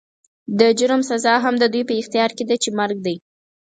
د جرم سزا هم د دوی په اختيار کې ده چې مرګ دی.